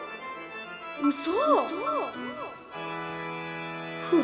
うそ。